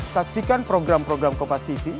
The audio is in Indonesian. saksikan program program kopas timur